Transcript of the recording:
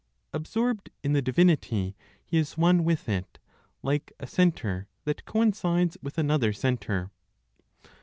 Absorbed in the divinity, he is one with it, like a centre that coincides with another centre.